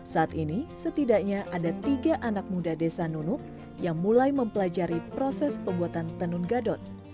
saat ini setidaknya ada tiga anak muda desa nunuk yang mulai mempelajari proses pembuatan tenun gadot